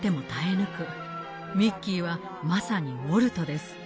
ミッキーはまさにウォルトです。